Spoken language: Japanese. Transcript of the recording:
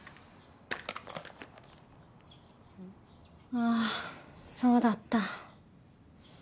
ああそうだった。